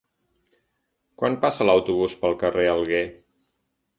Quan passa l'autobús pel carrer Alguer?